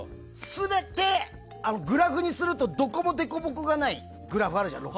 全てグラフにするとどこもでこぼこがないグラフあるじゃん。